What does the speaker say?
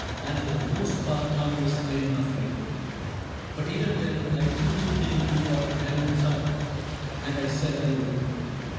And for the most part harmless, I 'm afraid. But even then, I truly think you ought To tell him something.' — And I said I would.